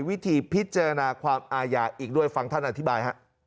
วิธีพิจารณาความอาญาอีกด้วยฟังท่านอธิบายฮะ